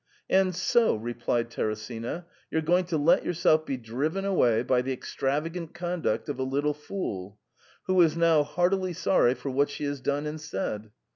* And so,* replied Teresina, 'you're going to let yourself be driven away by the extravagant conduct of a little fool, who is now heartily sorry for what she has done and said.